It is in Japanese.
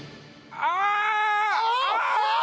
ああ！